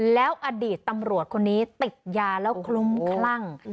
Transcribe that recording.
แล้วอดีตตำรวจคนนี้ติดยาแล้วคลุ้มคลั่ง